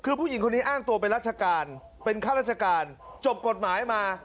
คือผู้หญิงคนนี้อ้างตัวเป็นราชการเป็นข้าราชการจบกฎหมายมา